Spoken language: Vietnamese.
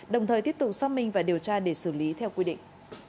đồng thời tiếp tục xác minh và điều tra để xử lý theo quy định